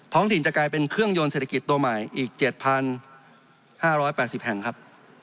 ถิ่นจะกลายเป็นเครื่องยนต์เศรษฐกิจตัวใหม่อีก๗๕๘๐แห่งครับ